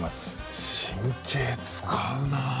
神経使うなあ